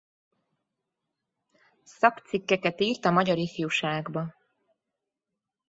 Szakcikkeket írt a Magyar Ifjuságba.